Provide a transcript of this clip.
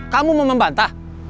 kamu mau membantah